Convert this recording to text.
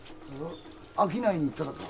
商いに行っただか？